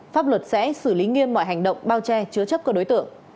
pháp luật sẽ xử lý nghiêm mọi hành động bao che chứa chấp các đối tượng